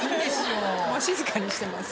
もう静かにしてます